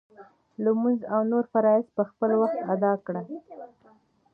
لمونځ او نور فرایض په خپل وخت ادا کړه.